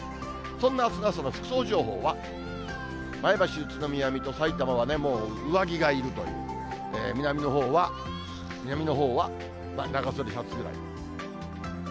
そんなあすの朝の服装情報は、前橋、宇都宮、水戸、さいたまはね、もう上着がいるという、南のほうは長袖シャツぐらい。